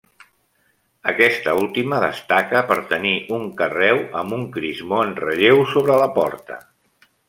Aquesta última destaca per tenir un carreu amb un crismó en relleu sobre la porta.